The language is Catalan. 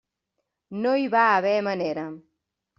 No hi va haver manera.